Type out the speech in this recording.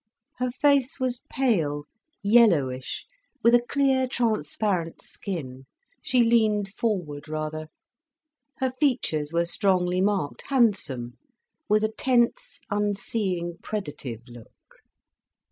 Her face was pale, yellowish, with a clear, transparent skin, she leaned forward rather, her features were strongly marked, handsome, with a tense, unseeing, predative look.